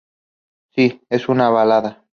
Sí, es una balada.